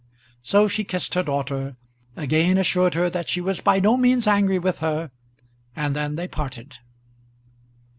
So she kissed her daughter, again assured her that she was by no means angry with her, and then they parted.